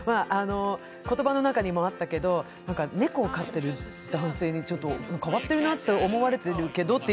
言葉の中にもあったけれども猫を飼っている男性、ちょっと変わってるなって思われてるけどって。